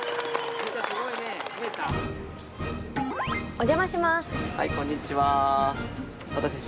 お邪魔します。